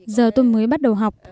giờ tôi mới bắt đầu học